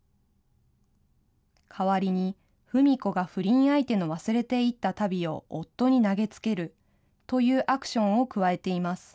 代わりに、ふみ子が不倫相手の忘れていった足袋を夫に投げつけるというアクションを加えています。